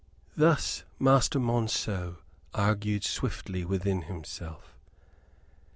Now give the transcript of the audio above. Thus Master Monceux argued swiftly within himself.